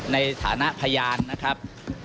ในฐานะพยานนะครับ